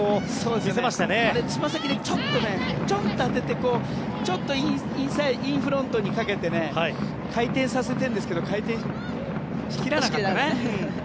つま先でチョンと当ててちょっとインフロントにかけてね回転させてるんですけど回転しきらなかったね。